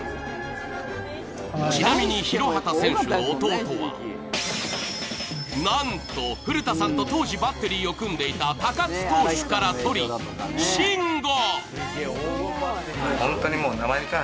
ちなみに、廣畑選手の弟はなんと古田さんと当時バッテリーを組んでいた高津投手から取り、臣吾。